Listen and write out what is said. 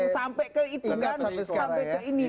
sampai ke itu kan sampai ke ini